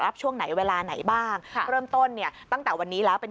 ช่วงไหนเวลาไหนบ้างเริ่มต้นเนี่ยตั้งแต่วันนี้แล้วเป็น